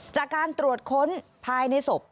จากการตรวจค้นภายในศพ